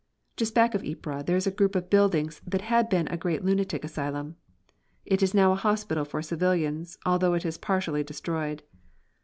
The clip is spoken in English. Just back of Ypres there is a group of buildings that had been a great lunatic asylum. It is now a hospital for civilians, although it is partially destroyed.